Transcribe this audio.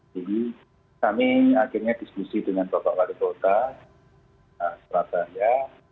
jadi kami akhirnya diskusi dengan bapak wadikota surabaya